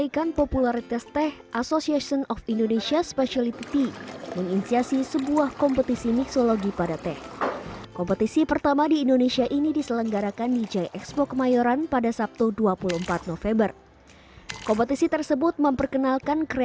kepala komite teh internasional